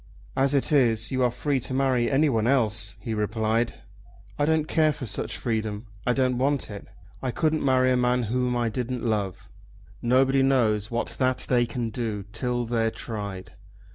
"As it is you are free to marry anyone else," he replied. "I don't care for such freedom. I don't want it. I couldn't marry a man whom I didn't love." "Nobody knows what that they can do till they're tried."